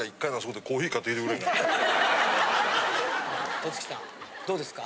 戸次さんどうですか？